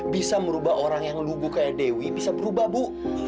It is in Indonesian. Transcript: bisa merubah orang yang lubu kayak dewi bisa berubah bu